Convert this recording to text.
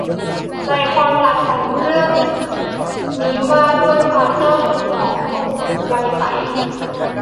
ใจความหลักของหนังเรื่องนี้ว่าด้วยความเจ้าชู้ของหนุ่มวัยใส